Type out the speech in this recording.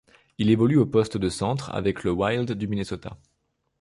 Il évolue au poste de centre avec le Wild du Minnesota.